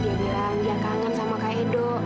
dia bilang dia kangen sama kak edo